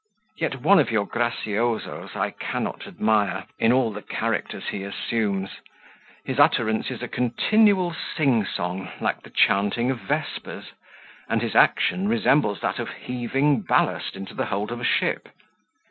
Yet one of your graciosos I cannot admire, in all the characters he assumes. His utterance is a continual sing song, like the chanting of vespers; and his action resembles that of heaving ballast into the hold of a ship.